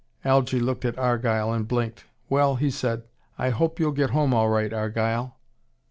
Algy looked at Argyle, and blinked. "Well," he said. "I hope you'll get home all right, Argyle."